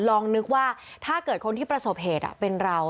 ลองนึกว่าถ้าเกิดคนที่ประสบเหตุเป็นเรา